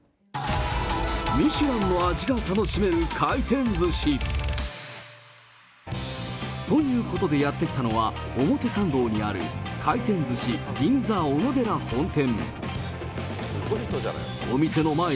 ミシュランの味が楽しめる回転ずし。ということでやって来たのは、表参道にある、廻転鮨銀座おのでら本店。